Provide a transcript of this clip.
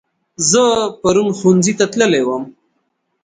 زه پرون ښوونځي ته تللی وم